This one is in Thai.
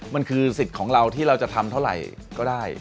มันคือสิทธิ์ของเราที่เราจะทำเท่าไหร่ก็ได้